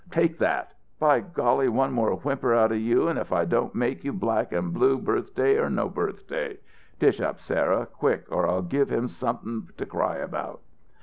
"Take that! By golly, one more whimper out of you and if I don't make you black and blue, birthday or no birthday! Dish up, Sarah, quick, or I'll give him something to cry about."